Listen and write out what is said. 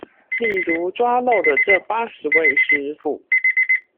例如抓漏的這八十位師傅